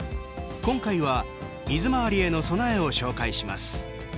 今回は水周りへの備えを紹介します。